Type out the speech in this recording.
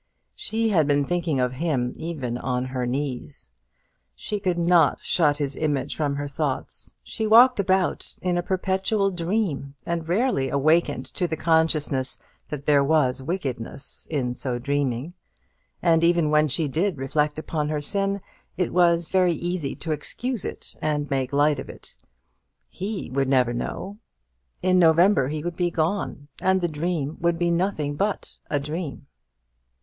She had been thinking of him even on her knees. She could not shut his image from her thoughts; she walked about in a perpetual dream, and rarely awakened to the consciousness that there was wickedness in so dreaming; and even when she did reflect upon her sin, it was very easy to excuse it and make light of it. He would never know. In November he would be gone, and the dream would be nothing but a dream.